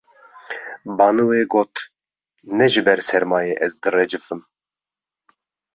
Baniwê got: Ne ji ber sermayê ez direcifim